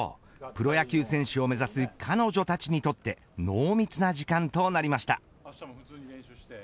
プロ野球選手を目指す彼女たちにとって濃密な時間となりました。